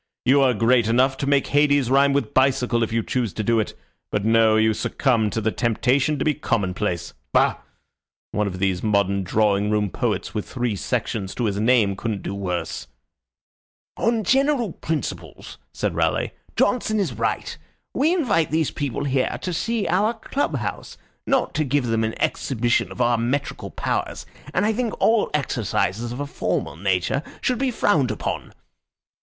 You are great enough to make Hades rhyme with bicycle if you choose to do it but no, you succumb to the temptation to be commonplace. Bah! One of these modern drawing room poets with three sections to his name couldn't do worse." "On general principles," said Raleigh, "Johnson is right. We invite these people here to see our club house, not to give them an exhibition of our metrical powers, and I think all exercises of a formal nature should be frowned upon."